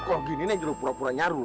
kalau gini nih juru pura pura nyaru